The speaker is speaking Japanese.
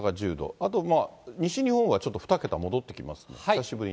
あとまあ、西日本はちょっと２桁戻ってきますね、久しぶりに。